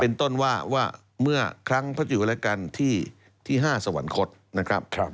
เป็นต้นว่าว่าเมื่อครั้งพระจุวรกันที่๕สวรรคตนะครับ